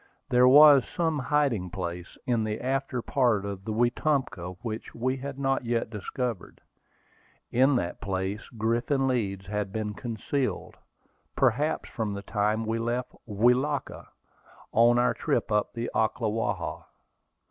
There was some hiding place in the after part of the Wetumpka which we had not yet discovered. In that place Griffin Leeds had been concealed, perhaps from the time we left Welaka, on our trip up the Ocklawaha.